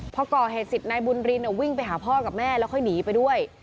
พอก่อเหตุเสร็จนายบุญรินวิ่งไปหาพ่อกับแม่แล้วค่อยหนีไปด้วย